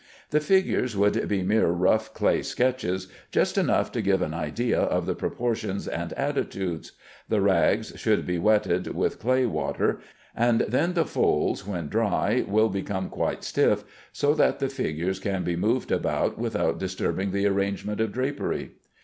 The figures would be mere rough clay sketches, just enough to give an idea of the proportions and attitudes. The rags should be wetted with clay water, and then the folds when dry will become quite stiff, so that the figures can be moved about without disturbing the arrangement of drapery.